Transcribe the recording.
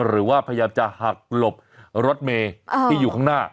หรือว่าพยายามจะหักหลบรถเมย์ที่อยู่ข้างหน้า